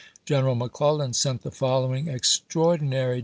i. Greneral McClellan sent the following extraordinary Aug.